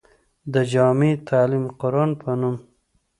د جامعه تعليم القرآن پۀ نوم